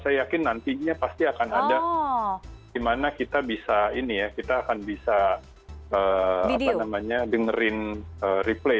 saya yakin nantinya pasti akan ada dimana kita bisa ini ya kita akan bisa dengerin replay